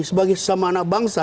sebagai sesama anak bangsa